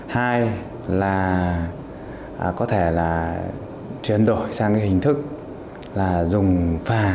hai là có thể chuyển đổi sang hình thức dùng phà